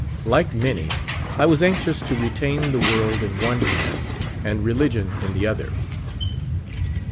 Like man}^ I was anxious to retain the world in one hand and relig ion in the other.